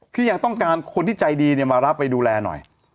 คืออยากต้องการคนที่ใจดีมารับไปดูแลหน่อย